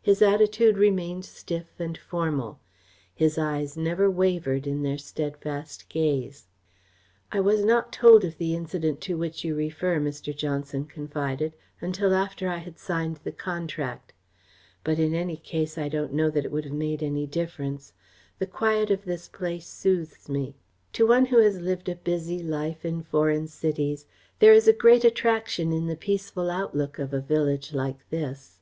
His attitude remained stiff and formal. His eyes never wavered in their steadfast gaze. "I was not told of the incident to which you refer," Mr. Johnson confided, "until after I had signed the contract. But, in any case, I don't know that it would have made any difference. The quiet of this place soothes me. To one who has lived a busy life in foreign cities, there is a great attraction in the peaceful outlook of a village like this."